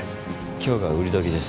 今日が売りどきです。